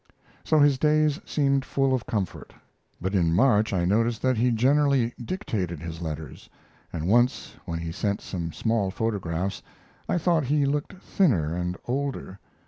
] So his days seemed full of comfort. But in March I noticed that he generally dictated his letters, and once when he sent some small photographs I thought he looked thinner and older.